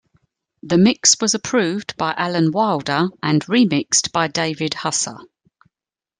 The mix was approved by Alan Wilder and re-mixed by David Husser.